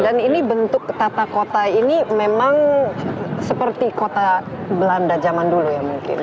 dan ini bentuk tata kota ini memang seperti kota belanda zaman dulu ya mungkin